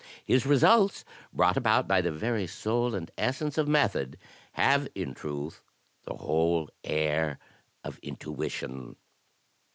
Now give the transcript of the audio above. His results, brought about by the very soul and essence of method, have, in truth, the whole air of intuition."